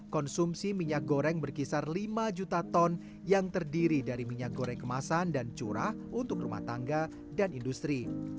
konsumsi minyak goreng berkisar lima juta ton yang terdiri dari minyak goreng kemasan dan curah untuk rumah tangga dan industri